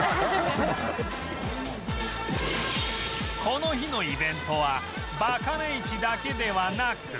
この日のイベントはバカネ市だけではなく